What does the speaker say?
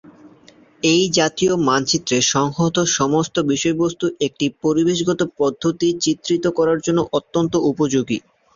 এই জাতীয় মানচিত্রে সংহত সমস্ত বিষয়বস্তু একটি পরিবেশগত পদ্ধতি চিত্রিত করার জন্য অত্যন্ত উপযোগী।